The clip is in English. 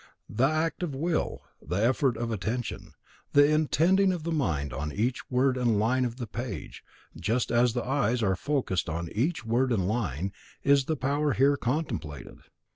The act of will, the effort of attention, the intending of the mind on each word and line of the page, just as the eyes are focussed on each word and line, is the power here contemplated.